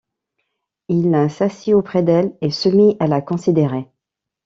Il s’assit auprès d’elle et se mit à la considérer.